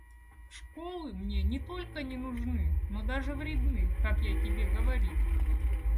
Школы мне не только не нужны, но даже вредны, как я тебе говорил.